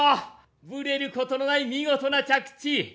ぶれることのない見事な着地。